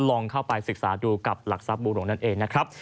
ลองเข้าไปศึกษาดูกับหลักทรัพย์บูหลวงนั่นเองนะครับ